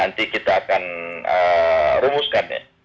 nanti kita akan rumuskan ya